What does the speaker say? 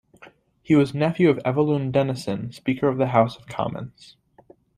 He was nephew of Evelyn Denison, Speaker of the House of Commons.